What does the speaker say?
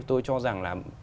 tôi cho rằng là